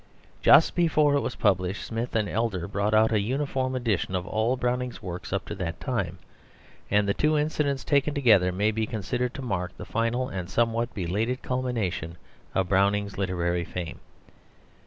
Just before it was published Smith and Elder brought out a uniform edition of all Browning's works up to that time, and the two incidents taken together may be considered to mark the final and somewhat belated culmination of Browning's literary fame.